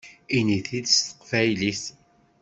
Ini-t-id s teqbaylit!